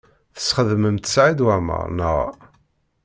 Tesxedmemt Saɛid Waɛmaṛ, naɣ?